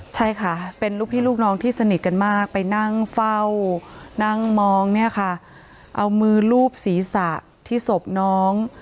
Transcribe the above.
ใช่ค่ะเป็นลูกพี่ลูกน้องที่สนิทกันมากไปนั่งเฝ้านั่งมองเนี่ยค่ะเอามือลูบศีรษะที่ศพน้อง